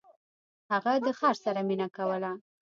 هغه د خر سره مینه کوله.